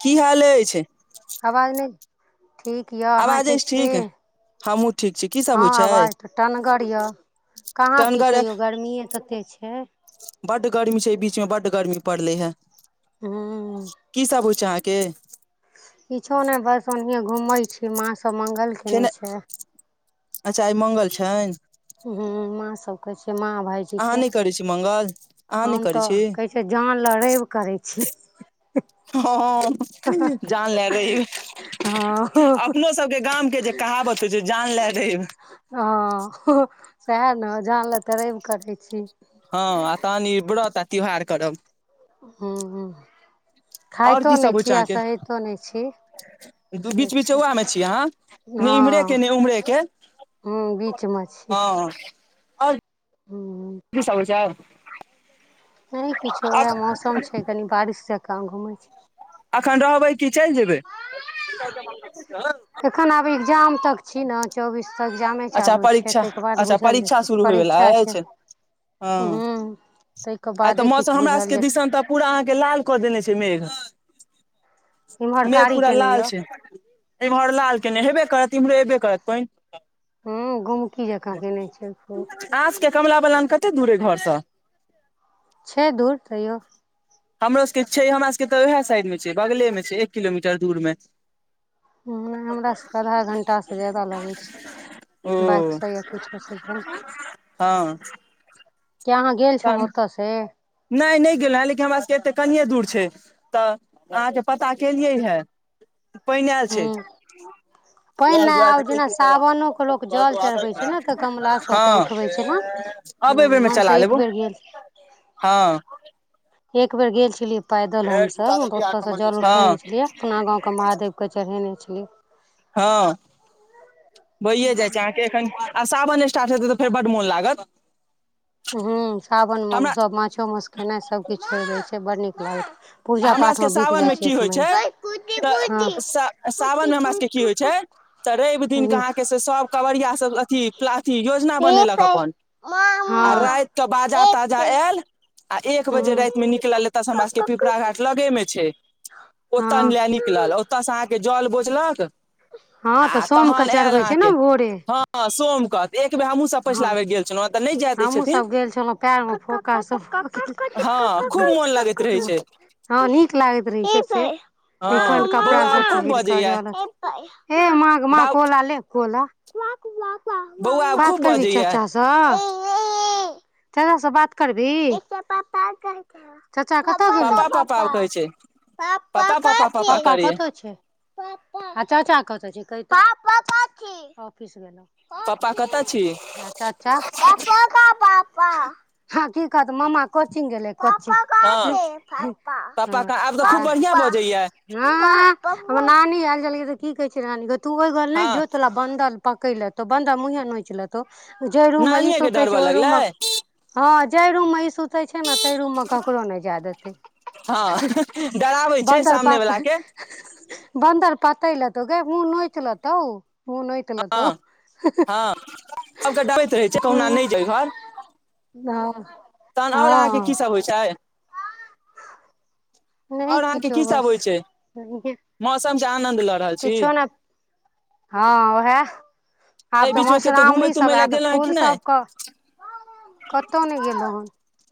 की हाल अछि आवाज नहि ठीक यए अहाँ आवाज ठीक अछि छी हमहूँ ठीक छी की सब हँ होइ आ छै बाज तऽ टनगर यऽ कहाँ किछ टनगर होइए गर्मीे तते छै बड्ड गर्मी छै बीच में बड्ड गर्मी पड़लै हन हूँ की सब होइ छै अहाँके किछो नहि बस ओनाहि घूमै छी माँ सब मंगल केने खेनाइ छै अच्छा आइ मंगल छनि हूं माँ सब कै छैन माँ भायजी अहाँ के नहि करै छी मंगल अहाँ नहि हम करै तऽ छी कहै छै जान लै रैब करै छी हँ जानले रैब हँ अपनो सबके गाम के जे कहावत तऽ जे जान लए रैब ह सएह ने जानले तऽ रैव तकै छी हँ आ तहन इ व्रत आ तिहार करब ह्म ह आओर खाइतो की सब नहि होइ छै छी आ अहाँके सहतो नहि छी से बीच छै बीचौआ मे छी अहाँ नहि इम्हरे के ने उम्हरे के ह बीच मे छी हँ आओर हूँ की सब होइ छै नहि किछु वएह मौसम छै कनि बारिश जकाँ घुमै अखन रहबै कि चलि जेबै एखन आब एग्जाम तक छी न चौबीस तऽ एग्जामे अच्छा चालू छै परीक्षा तैके बाद अच्छा बुझल परीक्षा जेतै शुरू होयवला परीक्षा छै अछि ह्म हँ ताहिके आइ तऽ बादे मौसम किछु हमरा बुझल सबके जेतै दिसन तऽ पूरा अहाँके लाल कऽ देने छै मेघ इम्हर मेघ कारी पूरा केने लाल यए छै इमहर लाल केने हेबे करत इम्हरो हेबे करत पानि हँ गुमकी जकाँ केने छै खूब आओर सऽ कमला बलान कतऽ दूरे अछि घरसँ? छै दूर तैयौ हमरो सभक छै, हमरा सभक तऽ ओहि साइडमे छै, बगलमे छै, एक किलोमीटर दूरमे। हू हमरा सभके आधा घण्टासँ बेसी समय लगैत ओ अछि बाइकसँ या किछुसँ जायमे। हँ किया अहाँ गेल छलौ तहन ओतयसँ नहि नहि गेलहु हेँ लेकिन हमरा सभके एते कनिए दूर छै तऽ अहाँके पता केलियै हे पानि आयल छै ह पानि नहि आबि रहल अछि। जेना सावनमे लोक जल चढ़बैत छथि ने, कमलासँ ओतऽसँ हँ उठबैत छथि ने। अब ह एहि बेर मे हम चला सभ एक लेबो बेर गेल हँ एक बेर गेल छलियए पैदल हम सभ ओत स जल उठेने हँ छलिये अपना गाम क महादेवके चढ़ेने छलियै हँ बहिए जाइ छै आहा के आ सावन स्टार्ट हेतै तऽ फेर बड मोन लागत ह सावन मे हमरा सभ माछो मास खेनाइ सभकिछु छोड़ि दैत छै। बड़ नीक लागैत छै। पूजा हमरा पाठ सबके मे बीत सावन जाइ की छै एक होइ महीना तऽ सा सावन मे हमरा सबके की होइ छै तऽ रवि दिन क अहाँके से सभ कँवरिया सभ अथी अथी योजना बनेलक अपन [unintelligible] आ रातिमे तऽ बाजा गाजा आयल आ एक बजे रातिमे निकलल। एतऽसँ हमरा सभके हँ हूँ लगमे छै, ओतऽ हँ लेबाक लेल निकललहुँ। ओतऽसँ अहाँ जल बोझि कऽ हँ तऽ, सोमकऽ चढ़बैत छथि ने भोरे? हँ सोमक एक बेर हमहू हँ, हमहूँ सभ गेल छलहुँ, पैरमे फोका सभ हँ खूब मोन लगैत रहै छै हँ नीक लागैत रह छै एखन हँ कपड़ा बौआ आब सभ खूब पानि कऽ बजैया जा रहल अछि। हे मामा, बाउ कोरा कोरा बौआ आब बात खूब करब बजैया चाचा? है चाचा स बात करबी ही चाचा कत गेल पापा पापा कहै छै पापा कत छै चाचा कता छै कहत ऑफिस गेल [unintelligible] पापा कतऽ छी ऑफिस [unintelligible] चाचा हँ की कहत मामा कोचिंग गेले हँ पापा आब तऽ खूब बढ़िआँ [unintelligible] बजैया हँ हमर नानी आयल छलियै तऽ की कहे छै ल हैनी तू ओहि घर नहि हँ जोतला बंदल पकड़ लेतो बंदल मुँहे नोचि लेतौ जेहि रूम मे ई नानिये के सुते छै डरबऽ ओहि रूम मे लगलै हँ जे रूम मे ई सुतै छै ने आइ रू मे ककरो नहि जाय देत, ई हँ डराबै छै बादर सामने वला पकड़ि के बन्दर पीठपर ले तऽ मुह नोचि लेतहु। मुह नोचि लेतऽ। सभके डबैत रहै छै कहुना नहि जाय घर हँ तहन और अहाँके हँ की सभ होइ छै? नहि आओर अहाँके किछो की सब बस होइ छै मौसम के आनंद लऽ रहल छी किछो ने हँ उएह आब एहि तऽ बीच मे कतौ मधुश्रावणी घुमय सभ तुमय लए आय त गेलहुँ हेँ कि फूल नहि सभके कतहु नहि गेलहुँ हेन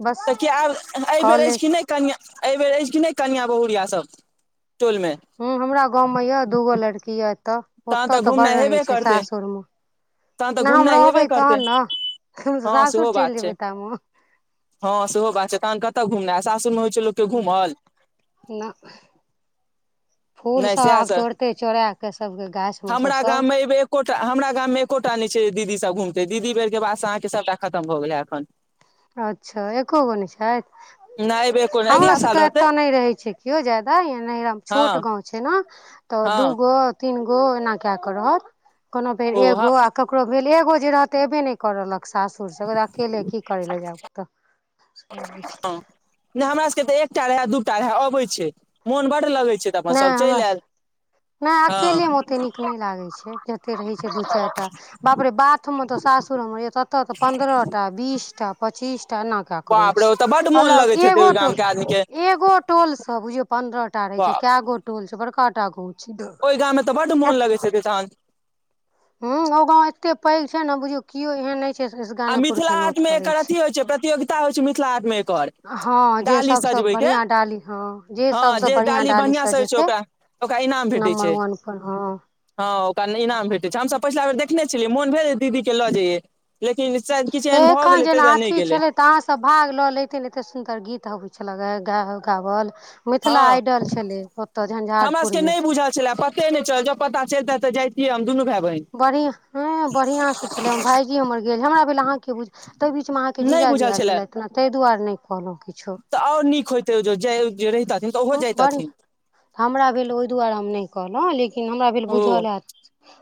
बस तऽ कि आब एहि बेर अछि कि कॉलेज नहि कनिया एहि बेर अछि कि नहि कनिया बहुरिया सभ टोल मे ह हमरा गाँवमे यए दूगो लड़की यए एतय तहन ओतय तऽ बड़ घुमनाइ हेबे रहैत छै करतै सासुरमे तहन तऽ ने हम घुमनाइ हेबे रहबै करतै तहन ने हम त हँ सेहो सासुर चलि बात छै जेबै तमे हँ, सेहो बात छै तऽ। ने कतऽ घुमने छी, बस सासुरमे हँ। ना फूल नहि सब सएह आब तोड़तै चोरे कऽ सभके गाछ मे सँ हमरा सब गाममे एहि बेर एकोटा हमरा गाममे मे एकोटा नहि नहि छै दीदी सब घुमते दीदी बेर के बाद से अहाँके सभटा खतम भऽ गेलै एखन अच्छा एको गो नहि छथि नहि एहि बेर कोन हमरो अगिला सबके साल रहतै एतऽ नहि रहे छै केओ जादा छोट हँ गाँंव छै तऽ दु हँ गो तीन गो एना कए रहत कोनो बेर ओ एगो हम आ कब ककरो भेल एगो जे रहत एबे नहि कर रहलक सासुर सभ अकेले की करबै जा कऽ सैह होइ छै नै हमरा सब के तऽ एकटा रहै दूटा रहै अबै छै मोन बड्ड लगै छै तऽ अपन सभ नहि चलि हमरा सँ आयल नहि हँ अकेल हम ओते नीक नीक नहि लागै छै जेते रहै छै दू चारिटा बाप रे बाथ मे ते सासुर मेे तते ते पन्द्रह टा बीस टा पच्चीस टा एना करै बाप रे छै ओतऽ बड्ड मोन अलग लगैत हेतै एगो ओहि गाम टोल के आदमी के एगो टोल सब बुझियो पंन्द्रह टा रहे छै बाप केगो टोल छै बड़का टा गोल ओहि गाम मे तऽ बड्ड मोन लगैत हेतै तहन हूँ ओ गाँव एत्ते पैघ छै ने बुझियौ केओ एहन नहि छै से आ गानेपुर मिथिला के नोत हाटमे करै एकर अथी होइ छै प्रतियोगिता होइ छै मिथिला हाटमे एकर हँ जे डाली सबसँ सजबैके बढ़िआँ डाली हँ हँ सबसँ जे बढ़िआँ डाली बढ़िआं सजै छै सजेतै ओकरा ओकरा इनाम भेटै छै नम्बर वन पर हँ हँ ओकरा नहि इनाम भेटैत छै हमसभ पछिला बेर देखने छलियै मोन भेल दीदी के लऽ जइयए लेकिन सायद किछु हे एहन भऽ एखन गेलै जेना ताहि दुआरे नहि अथी गेलै छलै तऽ अहाँसभ भाग लऽ एते ने एते सुन्दर गीत होबैत छलैे गाय गओल मिथिला हँ आइडल छलै ओतऽ हमरा सबके झंझारपुरमे नहि बुझल छेलै पर ते ने चल जब पता चलते तऽ जाइतियै हम दुनू भाय बहिन बढ़ि हूँ बढ़िआँ से छलै भायजी हमर गेल हमरा भेल अहाँ के बुझ तहि बीच मे अहाँके नहि जीजा बुझल जिया छल छलए एतना ताहि दुआरे नहि कहलहुॅं किछो तऽ जाय रहथिन तऽ ओहो जाइतथिन तऽ हमरा भेल ओहि दुआरे हम नहि कहलहुँ लेकिन हमरा भेल ओ बुझल हैत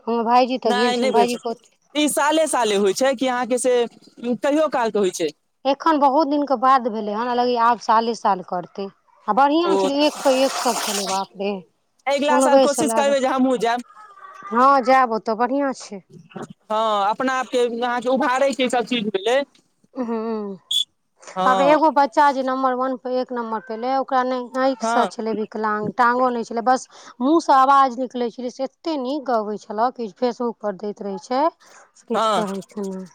हमर भायजी तऽ गेल नहि नहि छै बूझल भायजीके छल ई साले साले होइ छै कि अहाँके से कहियो काल के होइ छै एखन बहुत दिनके बाद भेलै हेन लगैये आब साले साल करतै आ ओ बढ़ियां छलै एक पर एक सब छलै बाप रे अगिला साल सुनबैसँ कोशिश लागत करबै जे हमहुँ जायब हँ जायब ओतऽ बढ़ियाँ छै हँ अपना आपके अहाँके उभारै के ई सभ चीज भेलै हूम्म हँ बाप रे एगो बच्चा जे नम्बर वन पर एक नम्बर पर एलै ओकरा नहि हँ आँखिसँ छलै विकलांग टाँगो नहि छलै बस मूँहसँ आवाज निकलैत छेलै से एतेक नीक गबैत छलहु कि फेसबुकपर दैत रहैत छै हँ किछु कहै के नै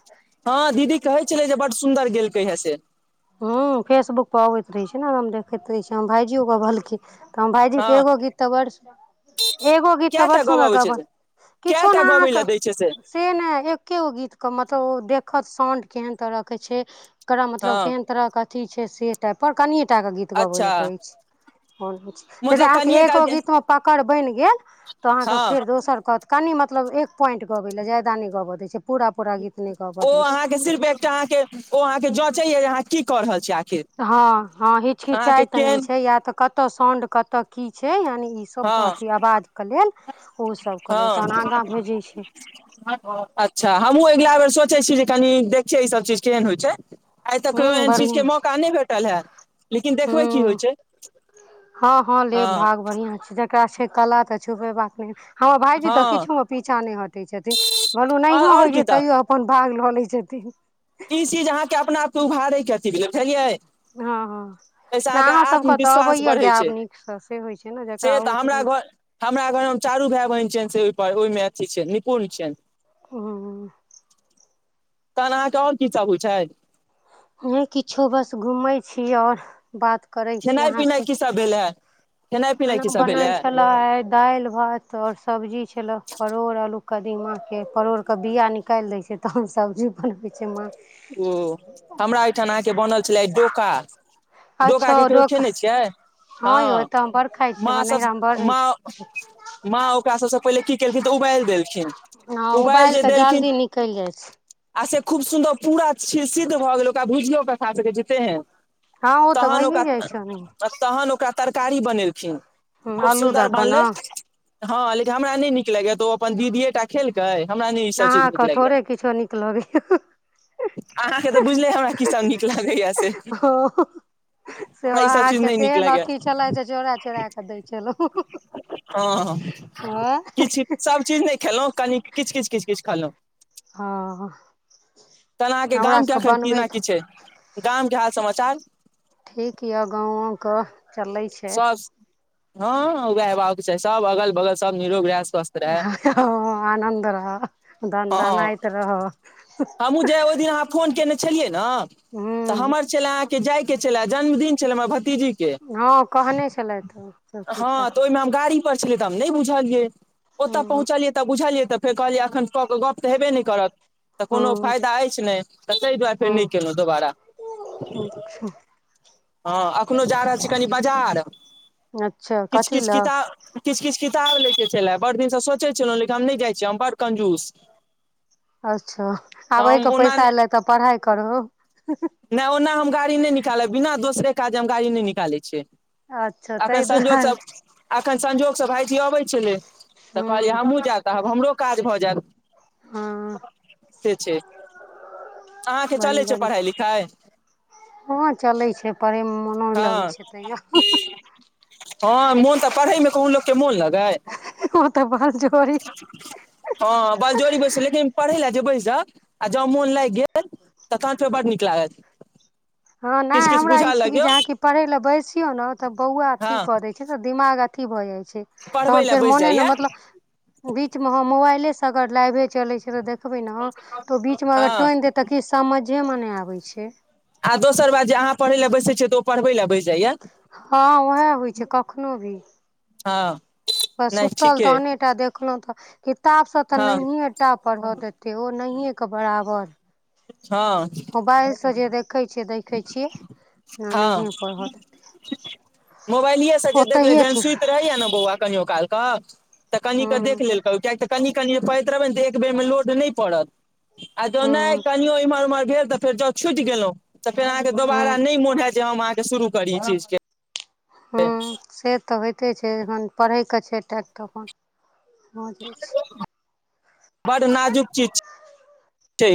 हँ दीदी कहै छेलै जे बड्ड सुन्दर गेलकै हे से हूँ फेसबुक पर अबैत रहे छै ने हम देखैत रहे छी हमर भायइजियो कहलकिन तऽ हम भायजीे हँ एगो गीत तऽ बड्ड सुन एगो गीत तऽ बड़ कएटा गबै सुंदर अबै छै गब से किछो ने कएटा गबै अहाँके लए दै छै से नहि एके गो गीतके मतलब ओ देखत साउंड केहन तरह के छै एकरा हँ मतलब तर कथी छै से टाइप पर कनिये टा के गीत गीत गबै ले अच्छा कहै छै यदि मतलब अहाँके कनिये काल एको के गीत मे पकड़ बनि गेल तऽ अहाँकेँ फेर हँ दोसर कहत कनि मतलब एक पॉइंट गबैले ज्यादा नहि गाबऽ दै छै पूरा पूरा गीत नहि गबऽ ओ दै छै अहाँके सिर्फ एकटा अहाँके ओ अहाँके जँचैया जे अहाँ की कऽ रहल छियै आ हँ हँ हिचकिचाइ तऽ नहि केहन छै या तऽ कतऽ साउंड कतऽ की छै यानि सब हँ अथी आवाज के लेल ओ सब के लेल हँ तहन आगाँ भेजै छै [unintelligible] अच्छा हमहूँ अगिला बेर सोचै छी जे कनि देखियै ईसभ चीज केहन होइ छै आइ तक केओ हूँ एहन चीज के मौका नहि भेटल है हू हँ हँ लेब भाग बढ़िआं छै देख ओरा छै कला तऽ छुपेबाक नही हमर भायजी तऽ हँ किछु मे पीछा नहि हटे छथिन कहलहु नहियो आओर होइ की छै तऽ तै यो अपन भाग लऽ लै छथिन ई चीज अहाँके अपना आपके उभारै के अथी भेल बुझलियै हँ हँ ताहिसँ नहि अहाँके अहाँ सभ के तऽ आत्मविश्वास अबैया बढ़ै गायब छै नीक से से होइत छै ने जकरा से तऽ अबैत रहै छै हमरा घर मे चारू भाय बहिन छियनि से ओहिप ओहि मे अथी छै निपुण छियनि ह तहन अहाँ के आओर की सभ हौए छै नहि किछो बस घूमै छी आओर बात करै छी खेनाइ पिनाइ अहाँसँ की सब भेलै अए खाना बनल छल मिलाइ दालि भात और सब्जी छलो परोड़ आलू कदीमा के परोड़ के बिया निक निकालि दै छै तहन सब्जी बनबै छै मा ओ हमरा ओहिठाम अहाँ के बनल छलै डोका डोका के कहियो खेने छियै हँ यौ एतऽ हम बड़ खाइ छियै मा हमर सब नैहरा मे बड़ रहै मा छै माँ ओकरा सब से पहिले की केलखिन तऽ उबालि देलखिन हँ उबालि उबाल जे कऽ देलखिन जल्दी निकलि जाइ छै आ से खूब सुन्दर पूरा सिद्ध भऽ गेल ओकरा भुजलो कऽ ख़ा सकै छै तेहन हँ ओ तऽ तहन भइए जाइ ओकरा छै ओनाहिये तहन ओकरा तरकारी बनेलखिन हूँ खूब अल्लू दऽ सुन्दर कऽ ने बनलै हँ लेकिन हमरा नहि नीक लगैया तऽ ओ अपन दीदीए एक टा खेलकै हमरा नहि ई सब चीज नीक लगैया छो निक लगइ य अहाँ के तऽ बुझले हमरा की सभ नीक लागैए से से हमरा ई सब अहाँ चीज के नहि नीक तेहन लगैया अथी छलै जे झोरा चोरा कऽ दै छलहु हँ किछ सभ चीज नहि खेलहुँ कनि किछ किछ किछ किछ खेलौं हँ तहन अहाँ के हमरा गाम के सबके एखन बनबै केना की छै गाम के हाल समाचार ठीक यऽ गाँवो के स्वास्थ हँ उएह हेबाक के चाही सब अगल बगल सब निरोगरहय स्वस्थ रहै आ आनन्द रह दन दन आऐत रहअ हमहुँ जहिया ओहि दिना फोन केने छलियै ने तऽ हूँ हमर छल अहाँ के जाय के छल जन्मदिन छलऽ हमर भतीजी के हँ कहने छलथि सबचीज तऽ गारि पर छलिए तऽ हम नहि बुझलियै ओत हँ पहुँचल त बुझलिय तऽ फेर कहलिय तऽ हेबे नहि करत तऽ कोनो हँ फायदा अछि नहि तऽ ताहि दुआरे फेर नहि हँ केलहुँ दोबारा [unintelligible] हँ अखनो जा रहल छी कनि बाजार अच्छा किछ कथी किछ लए किताब किछ किछ किताब लै के छलै बड़ दिन से सोचै छलहुँ लेकिन हम नहि जाइ छियै हम बड कंजूस अच्छा तऽ आब हम एहिके ओना पैसा एयलै तऽ पढ़ाइ करहो नहि ओना हम गाड़ी नहि निकालब बिना दोसरे काज हम गाड़ी नहि निकालै छियै अच्छा एखन ताहि संजोग स दुआरे एखन संजोग सँ भायजी अबैत छलै तऽ कहलियै हूँ हमहूँ जायब तब हमरो काज भऽ जैत हँ से छै अहाँ के बड़ी चलै छै बड़ी पढ़ाइ लिखाइ हँ चलै छै, पढ़ै मे मनो नहि लगै हँ छै। हँ मोन तऽ पढ़े मे कोनो लोक के मोन लगै अहाँ तऽ बलजोरी हँ, बलजोरी बैस, मुदा पढ़य लेल जे बैस आ जँ मोन लागि गेल तहन फेर बड नीक लागत हँ, नहि, किछु किछु हमरा ई बुझऽ छै कि लगियौ जहाँ पढ़य लेल बैसियो ने, तऽ बौआ हँ ठीक कऽ दैत छै। दिमाग एते भऽ जाइ छै पढ़बै तखन लए फेर बैस मोने जाइया नहि लागैत छै, मतलब। बीचमे मोबाइलसँ अगर लाइव चलैत छै तऽ देखबे ने, तऽ ओ बीचमे अगर हँ टोकि देत। तऽ किछ समझेमे नहि आबै छै आ दोसर बात जे अहाँ पढ़ लए बैसे छियै त ओ पढ़बै लए बैस जाइये हँ उएह होइ छै कखनो भी हँ बस नहि सुतल ठीके तहनेटा देखलहुँ तऽ किताब सभ तऽ हँ नहिए टा पढ़ऽ देते ओ नहिएके बराबर है मोबाइलसँ जे देखैत छी, देखैत छी, पढ़य नहि दैत अछि। मोबाइले से जे देखले जहन सुति रहैया ने बौआ कहियो काल कऽ त कनि हूँ क देख लेल करू कियाकि कनि पढैत रहबै ने तऽ एक बेर मे लोड नहि पड़त आ जँ नहि हूँ कनियो एम्हर ओम्हर भेल तऽ फेर जँ छुटि गेलहुँ तऽ फेर अहाँ के हूँ दोबारा नहि मोन होयत जे हम अहाँ के शुरू करी ई चीज के हूँ से तऽ होइते छै। जखन पढ़ैके छै टाक तऽ अपन हँ जे छै। बड नाजुक चीज छै।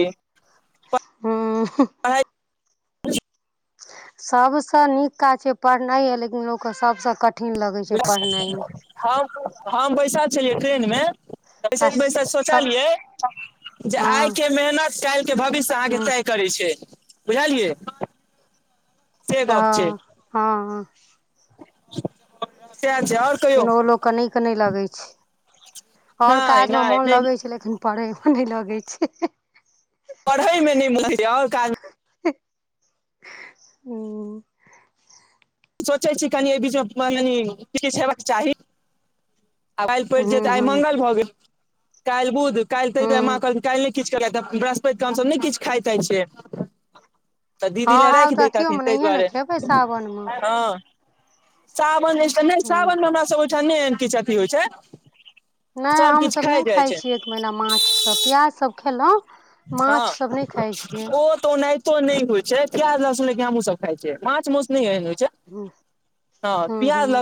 ह्म आय [unintelligible] सभसँ नीक काज छै। पढ़नाई य लेकिन लोकके सभसँ कठिन लगै छै पढ़नाईमे हम हम बैसल छलियै ट्रेन मे आ बैसैल बैसैल स सोचलियै जे हँ आय के मेहनत काल्हि के भविष्य हूँ अहाँके करै छै बुझलियै से गप छै तऽ हाँ त्य छै ओर कहियो कनै निक नहि लगै छै ओर नहि काज मे नहि मोन नहि लगै छै लेकिन पढ़ेमे नहि लगै छै पढ़ै मे नहि मुन लागि ओर काज [unintelligible] सोचै छी कनि एहि बीचमे कनी किछ हेबाक चाही आ काल्हि पढ़ि हूँ जेबऽ। आइ हूँ मंगल भऽ गेल, काल्हि बुध। काल्हि तऽ हूँ कहलहुँ ने। किछ कर बृहस्पति क हमसभ नहि किछ खाइताय छियै तऽ हँ दीदी लए आब राखि तऽ दैथिन अथियोमे तहि नहिये ने दुआरे खेबै सावनमे हँ सावन नहि, हूँ सावनमे हमरा सभ ओ छै ने? नहि, किछु एते होइत छै। नहि सब किछु हमसभ नहि जाइ खाइ छै छीयै एक महीना माछसभ प्याजसभ खेलहुॅं माछ सभ नहि खाई छियै ओत नहि तो नहि होइ छै प्याज लहसुन हमू सब खाय छीयै माछ मास न एहन होइ छै ह्म हँ हूँ प्याज लहसुन हूँ